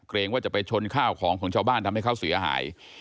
ว่าจะไปชนข้าวของของชาวบ้านทำให้เขาเสียหาย